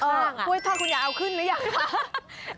ท่อคุณยายเอาขึ้นหรือยังคะ